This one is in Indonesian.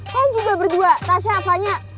kalian juga berdua tak siapa nya